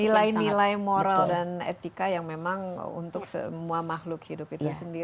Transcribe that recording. nilai nilai moral dan etika yang memang untuk semua makhluk hidup itu sendiri